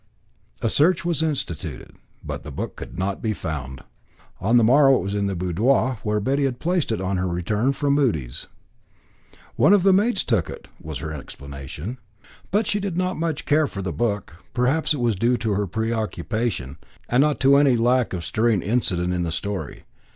A search was instituted, but the book could not be found. On the morrow it was in the boudoir, where Betty had placed it on her return from Mudie's. "One of the maids took it," was her explanation. She did not much care for the book; perhaps that was due to her preoccupation, and not to any lack of stirring incident in the story.